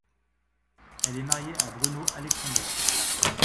Elle est mariée à Bruno Alexander.